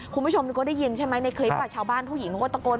คุณผู้ชมก็ได้ยินใช่ไหมในคลิปชาวบ้านผู้หญิงเขาก็ตะโกน